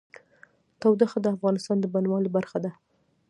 تودوخه د افغانستان د بڼوالۍ برخه ده.